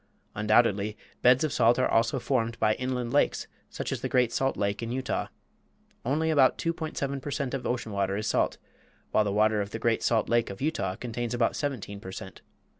Undoubtedly beds of salt are also formed by inland lakes, such as the Great Salt Lake in Utah. Only about 2.7 per cent. of ocean water is salt, while the water of the Great Salt Lake of Utah contains about 17 per cent.